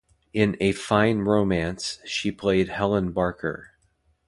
In "A Fine Romance", she played Helen Barker.